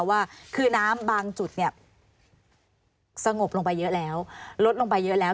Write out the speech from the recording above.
ว่าคือน้ำบางจุดเนี่ยสงบลงไปเยอะแล้วลดลงไปเยอะแล้ว